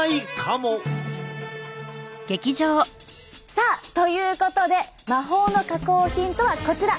さあということで魔法の加工品とはこちら！